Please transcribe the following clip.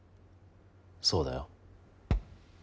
そうだよ。